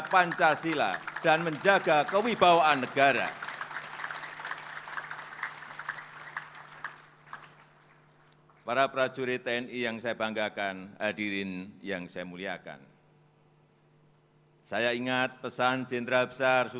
terima kasih yang sebesar besarnya atas dedikasi para prajurit dalam menjalankan tugas tugas berat yang penuh resiko